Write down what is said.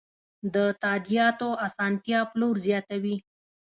د تادیاتو اسانتیا پلور زیاتوي.